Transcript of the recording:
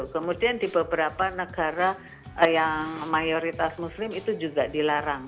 kemudian di beberapa negara yang mayoritas muslim itu juga dilarang